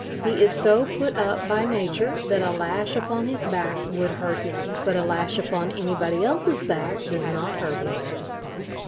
He is so put up by nature that a lash upon his back would hurt him, but a lash upon anybody else's back does not hurt him....